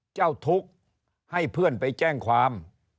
เจ้าทุกข์ให้เพื่อนไปแจ้งความ